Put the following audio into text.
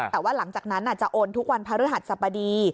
แต่ว่าหลังจากนั้นจะโอนทุกวันพระฤหัสสบดี